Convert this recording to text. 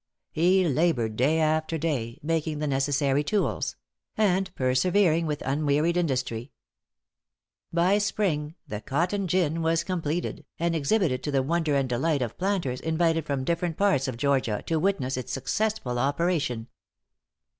He labored day after day, making the necessary tools; and persevering with unwearied industry. By spring the cotton gin was completed, and exhibited to the wonder and delight of planters invited from different parts of Georgia to witness its successful operation.